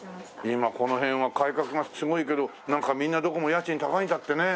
今この辺は改革がすごいけどなんかみんなどこも家賃高いんだってね。